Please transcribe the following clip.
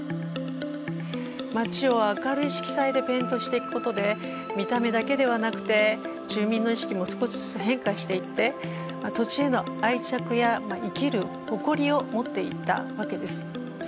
街を明るい色彩でペイントしていくことで見た目だけではなくて住民の意識も少しずつ変化していって土地への愛着や生きる誇りを持っていったわけです。